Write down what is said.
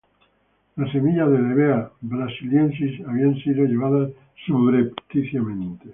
Las semillas del "Hevea brasiliensis" habían sido llevadas subrepticiamente.